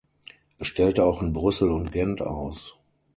Er stellte auch in Brüssel und Gent aus.